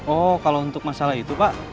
oh kalau untuk masalah itu pak